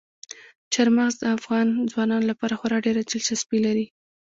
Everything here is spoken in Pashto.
چار مغز د افغان ځوانانو لپاره خورا ډېره دلچسپي لري.